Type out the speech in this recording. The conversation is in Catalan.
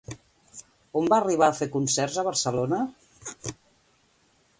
On va arribar a fer concerts a Barcelona?